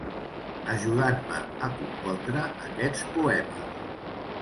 Ajudant-me a compondre aquests poemes.